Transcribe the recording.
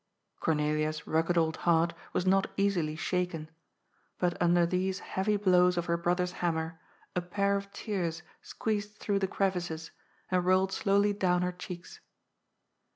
Cornelia's rugged old heart was not easily shaken. But under these heavy blows of her brother's hammer a pair of tears squeezed through the crevices and rolled slowly down her cheeks.